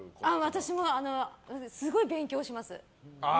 私は、すごい勉強します。